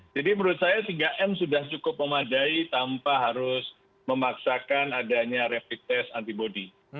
jadi menurut saya tiga m sudah cukup memadai tanpa harus memaksakan adanya rapid test antibody